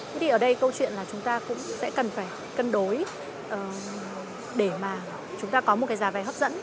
thế thì ở đây câu chuyện là chúng ta cũng sẽ cần phải cân đối để mà chúng ta có một cái giá vé hấp dẫn